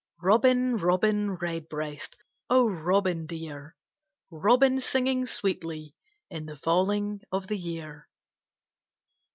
Robin, Robin Redbreast, O Robin dear! Robin singing sweetly In the falling of the year.